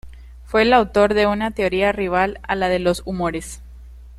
Fue el autor de una teoría rival a la de los humores.